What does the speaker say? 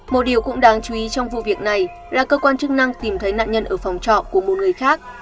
một điều cũng đáng chú ý trong vụ việc này là cơ quan chức năng tìm thấy nạn nhân ở phòng trọ của một người khác